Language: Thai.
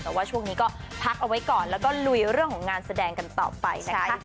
แต่ว่าช่วงนี้ก็พักเอาไว้ก่อนแล้วก็ลุยเรื่องของงานแสดงกันต่อไปนะคะ